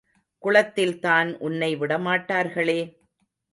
குளத்தில்தான் உன்னை விடமாட்டார்களே!